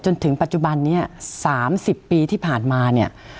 จนถึงปัจจุบันนี้๓๐ปีที่ผ่านมาเนี่ย